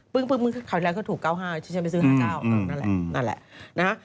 พึ่งคราวนี้แหละเขาถูก๙๕ฉันไปซื้อ๕๙นั่นแหละนะฮะ